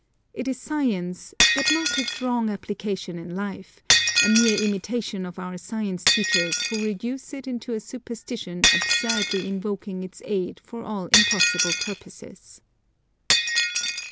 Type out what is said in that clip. It is science, but not its wrong application in life, a mere imitation of our science teachers who reduce it into a superstition absurdly invoking its aid for all impossible purposes.